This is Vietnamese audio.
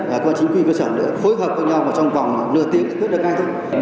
các bản chính quyền cơ sở để phối hợp với nhau vào trong vòng nửa tiếng thì quyết được ngay thôi